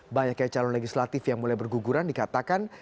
banyaknya calon legislatif yang mulai berguguran dikatakan